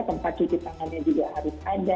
tempat cuci tangannya juga harus ada